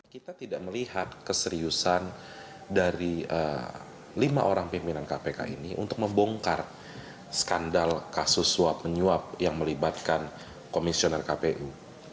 kita tidak melihat keseriusan dari lima orang pimpinan kpk ini untuk membongkar skandal kasus suap menyuap yang melibatkan komisioner kpu